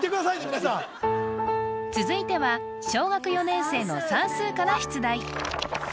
皆さん続いては小学４年生の算数から出題